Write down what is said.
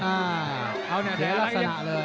เสียลักษณะเลย